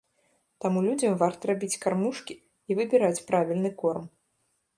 Таму людзям варта рабіць кармушкі і выбіраць правільны корм.